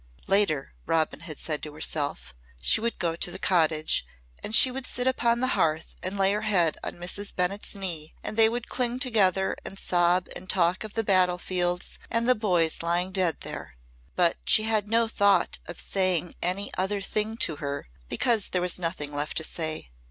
Later Robin had said to herself she would go to the cottage, and she would sit upon the hearth and lay her head on Mrs. Bennett's knee and they would cling together and sob and talk of the battlefields and the boys lying dead there. But she had no thought of saying any other thing to her, because there was nothing left to say.